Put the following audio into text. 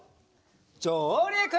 じょうりく！